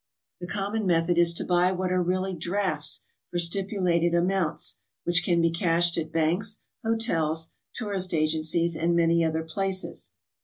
The com mon method is to buy what are really drafts for stipulated amounts, whkh can be cashed at banks, hotels, tourist agen cies, and many other places.